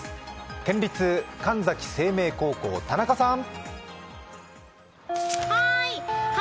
県立神埼清明高校、田中さん。